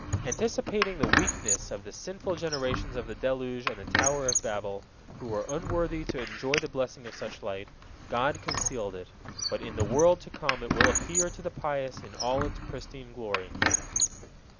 Anticipating the wickedness of the sinful generations of the deluge and the Tower of Babel, who were unworthy to enjoy the blessing of such light, God concealed it, but in the world to come it will appear to the pious in all its pristine glory.